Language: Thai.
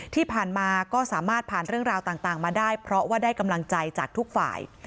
ที่ผ่านมาก็สามารถผ่านเรื่องราวต่างมาได้เพราะว่าได้กำลังใจจากทุกฝ่าย